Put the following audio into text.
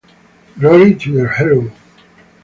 Glory to the hero!